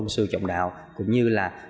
sưu trọng đạo cũng như là